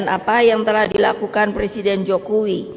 apa yang telah dilakukan presiden jokowi